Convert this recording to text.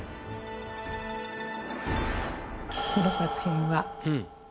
この作品は。